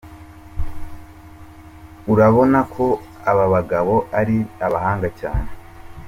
urabona ko aba bagabo ari abahanga cyane.